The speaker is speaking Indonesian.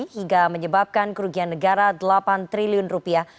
hingga menyebabkan kerugian negara delapan triliun rupiah